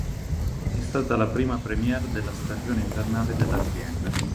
È stata la prima premiere della stagione invernale dell'azienda.